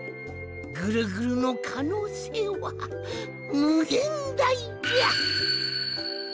ぐるぐるのかのうせいはむげんだいじゃ！